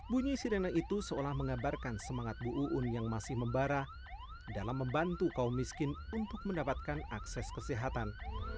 bunyi sirene itu seolah mengabarkan semangat bu uun yang masih membara dalam membantu kaum miskin untuk mendapatkan akses kesehatan